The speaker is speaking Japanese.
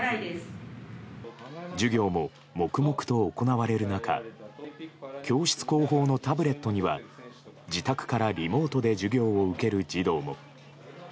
授業も黙々と行われる中教室後方のタブレットには自宅からリモートで授業を受ける児童も。